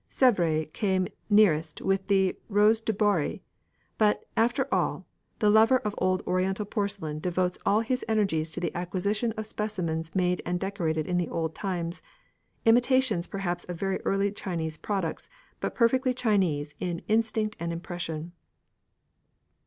S├©vres came nearest with the Rose du Barri, but, after all, the lover of old Oriental porcelain devotes all his energies to the acquisition of specimens made and decorated in the old times, imitations perhaps of very early Chinese products, but perfectly Chinese in instinct and impression.